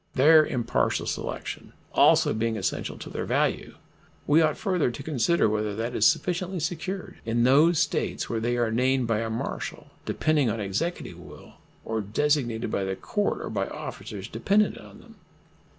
Their impartial selection also being essential to their value, we ought further to consider whether that is sufficiently secured in those States where they are named by a marshal depending on Executive will or designated by the court or by officers dependent on them.